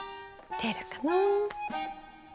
出るかな。